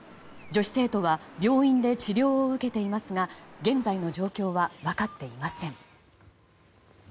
女子生徒は病院で治療を受けていますが現在の状況は分かっていません。